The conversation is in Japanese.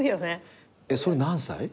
それ何歳？